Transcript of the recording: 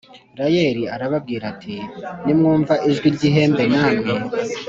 rayeli arababwira ati nimwumva ijwi ry ihembe namwe